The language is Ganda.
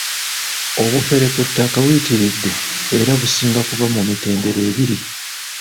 Obufere ku ttaka buyitiridde era businga kuba mu mitendera ebiri.